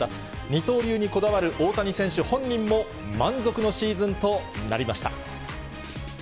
二刀流にこだわる大谷選手本人も、満足のシーズンとなりました。